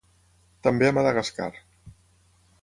També a Madagascar.